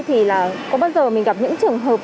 thì có bao giờ mình gặp những trường hợp